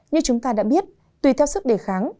như chúng ta đã biết tùy theo sức đề kháng